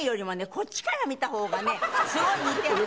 こっちから見た方がねすごい似てるの。